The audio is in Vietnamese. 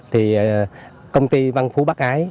thì công ty văn phú bắc ái